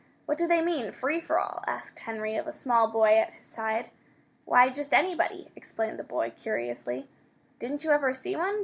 "What do they mean free for all?" asked Henry of a small boy at his side. "Why, just anybody," explained the boy, curiously. "Didn't you ever see one?